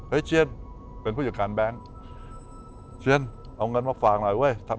เชียนเป็นผู้จัดการแบงค์เชียนเอาเงินมาฝากหน่อยเว้ยทำ